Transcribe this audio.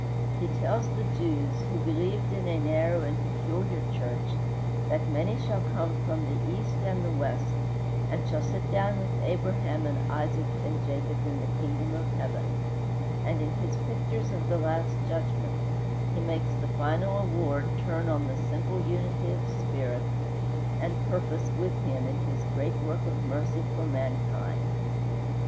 He tells the Jews, who believed in a narrow and peculiar church, that "many shall come from the East and the West, and shall sit down with Abraham and Isaac and Jacob in the kingdom of heaven," and in his pictures of the last Judgment he makes the final award turn on the simple unity of spirit and purpose with Him in his great work of mercy for mankind.